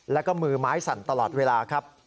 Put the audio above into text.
แล้วก็มือไม้สั่นตลอดเวลาครับ